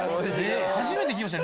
初めて聞きました